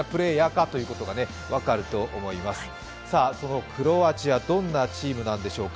そのクロアチア、どんなチームなんでしょうか。